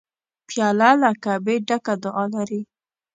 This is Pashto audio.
پیاله له کعبې ډکه دعا لري.